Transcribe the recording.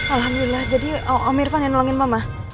alhamdulillah jadi om irfan yang nolongin mama